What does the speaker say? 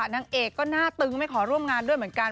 นางเอกก็หน้าตึงไม่ขอร่วมงานด้วยเหมือนกัน